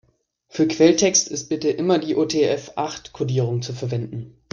Für Quelltext ist bitte immer die UTF-acht-Kodierung zu verwenden.